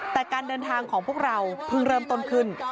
แต่การเดินทางของพวกเราเพิ่งเริ่มต้นขึ้น